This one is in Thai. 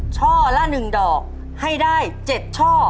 ช่อละ๑ดอกให้ได้๗ช่อ